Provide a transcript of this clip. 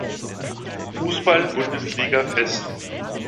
Fußball-Bundesliga fest.